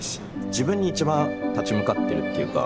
自分に一番立ち向かってるっていうか。